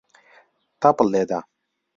تەپڵ لێدە.